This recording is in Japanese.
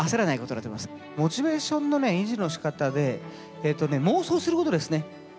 モチベーションのね維持のしかたで妄想することですね。